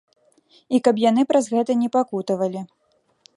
І каб яны праз гэта не пакутавалі.